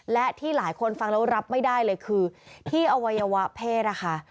และที่หลายคนฟังแล้วรับไม่ได้เลยคือที่อวัยวะเพศนะคะ